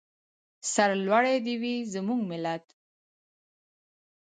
سرلوړی دې وي زموږ ملت.